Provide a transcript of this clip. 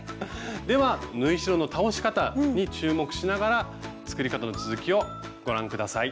では縫い代の倒し方に注目しながら作り方の続きをご覧下さい。